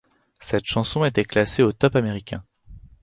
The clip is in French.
Cette chanson était classée au top américain.